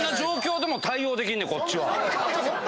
こっちは。